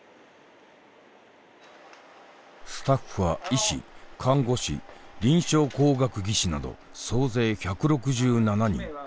スタッフは医師看護師臨床工学技士など総勢１６７人。